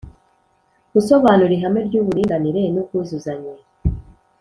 Gusobanura ihame ry’uburinganire n’ubwuzuzanye